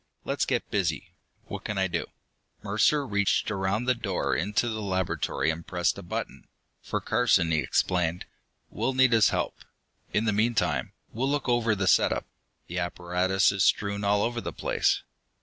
Let's get busy. What can I do?" Mercer reached around the door into the laboratory and pressed a button. "For Carson," he explained. "We'll need his help. In the meantime, we'll look over the set up. The apparatus is strewn all over the place."